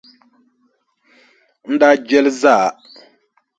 N daa je li zaa!